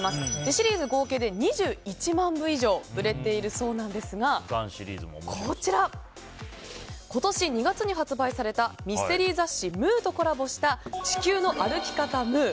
シリーズ合計で２１万部以上売れているそうなんですがこちら、今年２月に発売されたミステリー雑誌「ムー」とコラボした「地球の歩き方ムー」